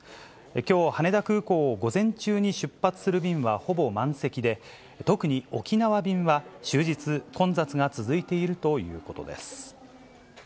きょう、羽田空港を午前中に出発する便はほぼ満席で、特に沖縄便は、終日、混雑が続いているということです。